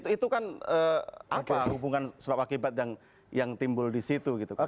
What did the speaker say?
itu kan apa hubungan sebab akibat yang timbul disitu gitu kan